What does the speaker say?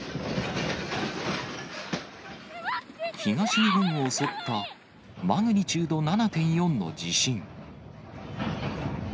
東日本を襲ったマグニチュード７．４の地震。